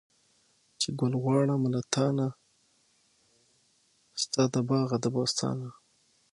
چې ګل غواړم له تانه، ستا د باغه د بوستانه